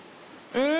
うん。